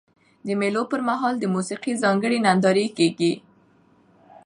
د مېلو پر مهال د موسیقۍ ځانګړي نندارې کیږي.